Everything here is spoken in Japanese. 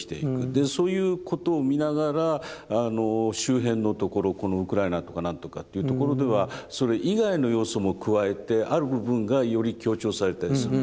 でそういうことを見ながらあの周辺のところこのウクライナとか何とかというところではそれ以外の要素も加えてある部分がより強調されたりする。